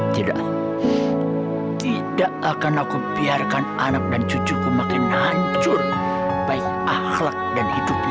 tidak tidak akan aku biarkan anak dan cucuku makin hancur baik akhlak dan hidupnya